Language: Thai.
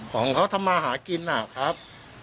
ของเขาทำมาหากินนะครับ